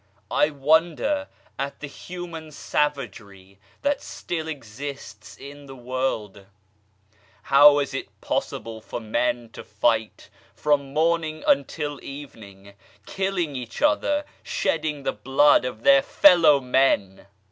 I wonder at the human savagery that still exists in the world ! How is it possible for men to fight from morning until evening, killing each other, shedding the blood of their fellow men